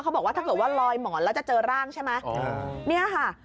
เขาบอกว่าถ้าเกิดว่าลอยหมอนแล้วจะเจอร่างใช่ไหมเนี่ยค่ะ